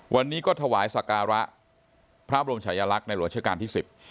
วันนี้ก็ถวายสการะพระบรมชายลักษณ์ในหลวงราชการที่สิบ